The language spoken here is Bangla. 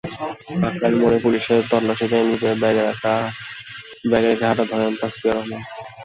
কাকরাইল মোড়ে পুলিশের তল্লাশিতে নিজের ব্যাগ রেখে হাঁটা ধরেন তাশফিয়া রহমান।